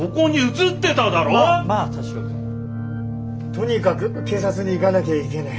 とにかく警察に行かなきゃいけない。